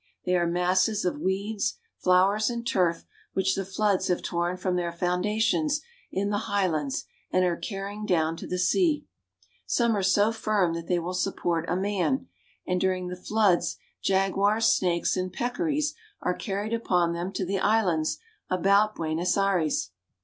They are masses of weeds, flowers, and turf which the floods have torn from their foundations in the high lands and are carrying down to the sea. Some are so firm that they will support a man, and during the floods jaguars, snakes, and peccaries are carried upon them to the islands about Buenos Aires.